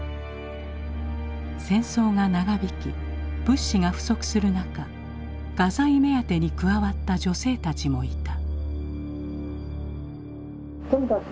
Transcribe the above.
戦争が長引き物資が不足する中画材目当てに加わった女性たちもいた。